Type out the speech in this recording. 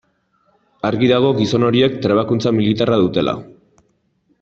Argi dago gizon horiek trebakuntza militarra dutela.